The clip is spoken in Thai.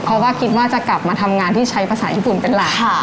เพราะว่าคิดว่าจะกลับมาทำงานที่ใช้ภาษาญี่ปุ่นเป็นหลัก